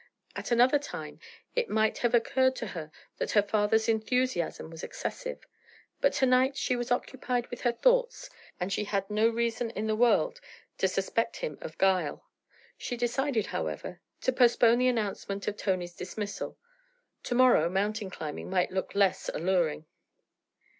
At another time it might have occurred to her that her father's enthusiasm was excessive, but to night she was occupied with her thoughts, and she had no reason in the world to suspect him of guile. She decided, however, to postpone the announcement of Tony's dismissal; to morrow mountain climbing might look less alluring.